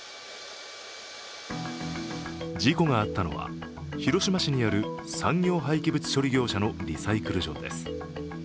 事故があったのは、広島市にある産業廃棄物処理業者のリサイクル場です。